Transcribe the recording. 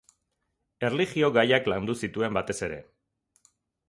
Erlijio-gaiak landu zituen, batez ere.